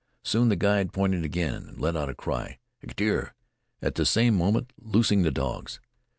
Soon the guide, pointing, again let out the cry: "Ageter!" at the same moment loosing the dogs.